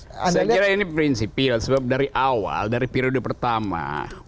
saya kira ini prinsipil sebab dari awal dari periode pertama